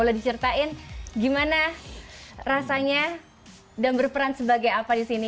boleh diceritain gimana rasanya dan berperan sebagai apa di sini